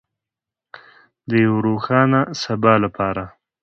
د یو روښانه سبا لپاره.